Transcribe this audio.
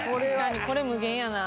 これ無限やな。